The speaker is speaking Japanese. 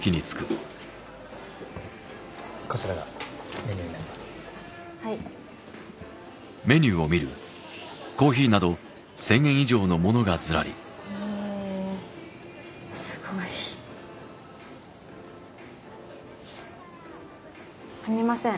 こちらがメニューになりますはいええーすごいすみません